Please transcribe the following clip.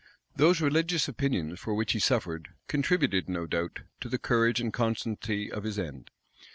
[] Those religious opinions for which he suffered, contributed, no doubt, to the courage and constancy of his end.